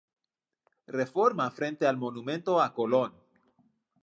Reforma frente al Monumento a Colón.